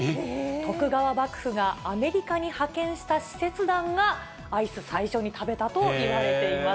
徳川幕府がアメリカに派遣した使節団が、アイス、最初に食べたといわれています。